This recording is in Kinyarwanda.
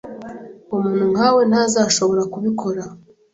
Umuntu nkawe ntazashobora kubikora.